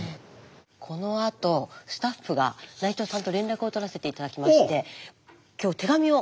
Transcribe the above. このあとスタッフが内藤さんと連絡を取らせて頂きまして今日手紙を。